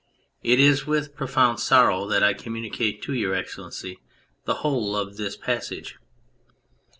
It is with profound sorrow that I communicate to Your Excellency the whole of this passage.